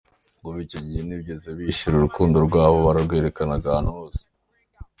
Kuva icyo gihe ntibigeze bihishira, urukundo rwabo bararwerekanaga ahantu hose.